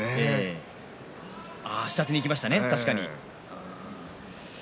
確かに下手にいきましたね。